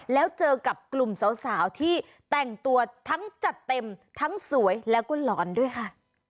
แล้วเจอกับกลุ่มสาวที่แต่งตัวทั้งจัดเต็มทั้งสวยแล้วก็หลอนด้วยค่ะ